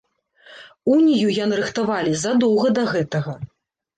Унію яны рыхтавалі задоўга да гэтага.